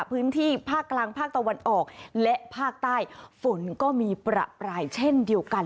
พื้นที่ภาคกลางภาคตะวันออกและภาคใต้ฝนก็มีประปรายเช่นเดียวกัน